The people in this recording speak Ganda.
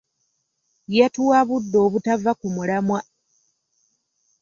Yatuwabudde obutava ku mulwamwa.